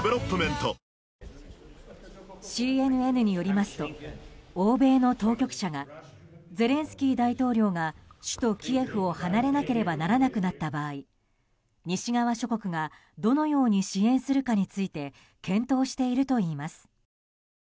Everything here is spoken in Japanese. ＣＮＮによりますと欧米の当局者がゼレンスキー大統領が首都キエフを離れなければならなくなった場合西側諸国がどのように支援するかについて検討しているといいます。